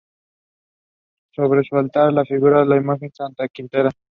Sobre su altar figura la imagen de Santa Quiteria.